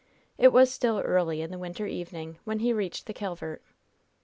It was still early in the winter evening when he reached the Calvert.